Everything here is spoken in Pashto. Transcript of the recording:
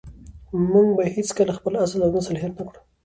موږ به هېڅکله خپل اصل او نسل هېر نه کړو.